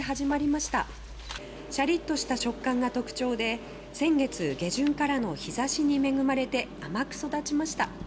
シャリっとした食感が特徴で先月下旬からの日差しに恵まれて甘く育ちました。